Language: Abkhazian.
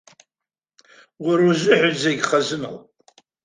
Уара узыҳәан зегь хазыноуп.